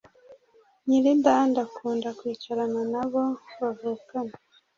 nyiridande akunda kwicarana nabo bavukana